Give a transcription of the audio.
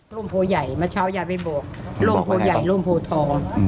โพใหญ่เมื่อเช้ายายไปบอกร่มโพใหญ่ร่มโพทอง